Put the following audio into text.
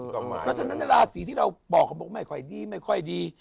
แต่ฉะนั้นนราศีที่เรารู้บอกว่าไม่ค่อยดีใช่สิ